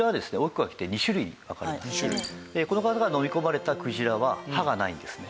まずこの方がのみ込まれたクジラは歯がないんですね。